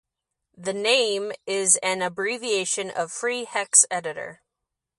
The name is an abbreviation of Free hex editor.